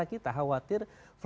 jadi kita harus berpikir pikir